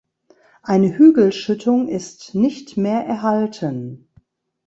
Eine Hügelschüttung ist nicht mehr erhalten.